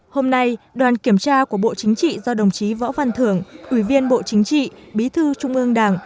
hôm nay đoàn kiểm tra của bộ chính trị do đồng chí võ văn thưởng ủy viên bộ chính trị bí thư trung ương đảng